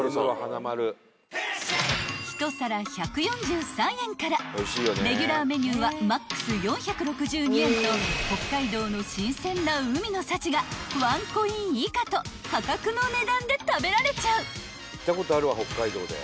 ［１皿１４３円からレギュラーメニューはマックス４６２円と北海道の新鮮な海の幸がワンコイン以下と破格の値段で食べられちゃう］